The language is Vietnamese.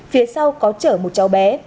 phía sau có chở một cháu bé